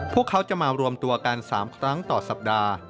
พวกเขาจะมารวมตัวกัน๓ครั้งต่อสัปดาห์